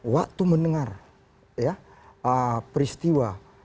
waktu mendengar peristiwa